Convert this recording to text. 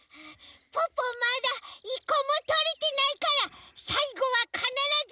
ポッポまだいっこもとれてないからさいごはかならずとります！